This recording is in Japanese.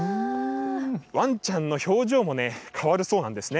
わんちゃんの表情もね、変わるそうなんですね。